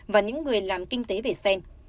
và những người làm kinh tế về sen